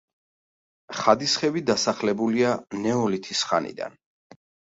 ხადის ხევი დასახლებულია ნეოლითის ხანიდან.